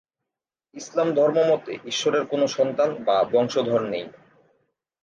ইসলাম ধর্মমতে ঈশ্বরের কোন সন্তান বা বংশধর নেই।